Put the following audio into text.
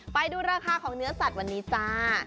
ไปดูราคาของเนื้อสัตว์วันนี้จ้า